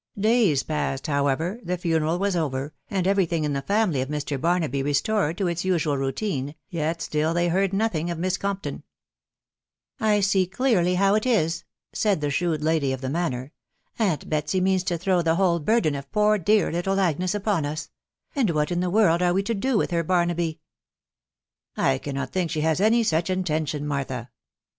Days passed away, however, the funeral was over, and every thing in the family of Mr. Barnaby restored to its usual rou tine, yet still they heard nothing of Miss Compton. " I see clearly how it is," said the ft\ttevj&\aA^ oi,&&T&w* aion. "Awat Betsy means to throw the wYto\e Yrattafe *1\w» €2 TBS WIDOW . BAJUfABY* dear little Agnes upon us, ...• and what in the world are to do with her, Barnahy ?"" I cannot think she has any such intention, Martha.